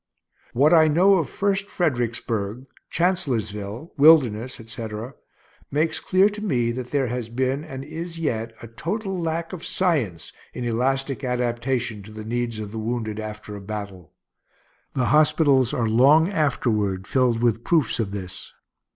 What I know of first Fredericksburg, Chancellorsville, Wilderness, etc., makes clear to me that there has been, and is yet, a total lack of science in elastic adaptation to the needs of the wounded after a battle. The hospitals are long afterward filled with proofs of this.